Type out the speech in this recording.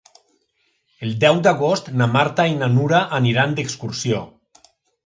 El deu d'agost na Marta i na Nura aniran d'excursió.